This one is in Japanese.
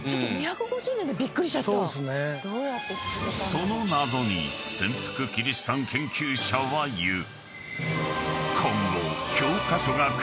［その謎に潜伏キリシタン研究者は言う］